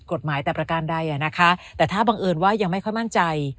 กฎหมายแต่ประการใดนะคะแต่ถ้าบังเอิญว่ายังไม่ค่อยมั่นใจ